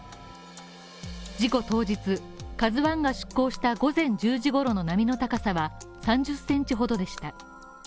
事故当日、「ＫＡＺＵⅠ」が出航した午前１０時ごろの波の高さは３０ｃｍほどでした。